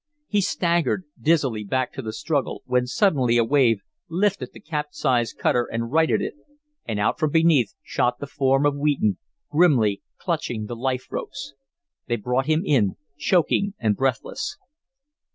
He staggered dizzily back to the struggle, when suddenly a wave lifted the capsized cutter and righted it, and out from beneath shot the form of Wheaton, grimly clutching the life ropes. They brought him in choking and breathless.